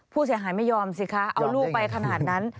ผู้เสียหายไม่ยอมสิคะเอาลูกไปขนาดนั้น